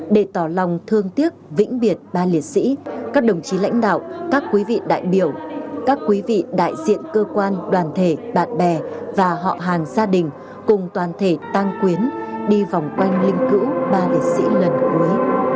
để tỏ lòng thương tiếc vĩnh biệt ba liệt sĩ các đồng chí lãnh đạo các quý vị đại biểu các quý vị đại diện cơ quan đoàn thể bạn bè và họ hàng gia đình cùng toàn thể tăng quyến đi vòng quanh linh cữu ba liệt sĩ lần cuối